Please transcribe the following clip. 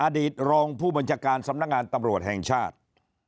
อดีตรองผู้บัญชาการสำนักงานตำรวจแห่งชาติ